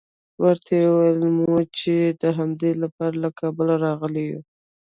ورته ویل مو چې د همدې لپاره له کابله راغلي یوو.